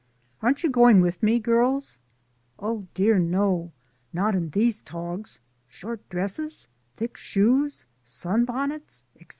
"Aren't you going with me, girls ?" "Oh, dear, no; not in these togs, short dresses, thick shoes, sun bonnets, etc."